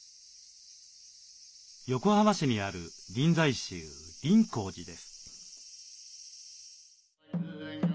横浜市にある臨済宗林香寺です。